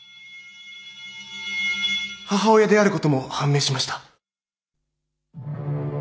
母親であることも判明しました。